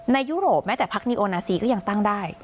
ยุโรปแม้แต่พักนิโอนาซีก็ยังตั้งได้